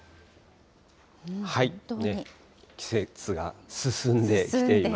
季節が進んできています。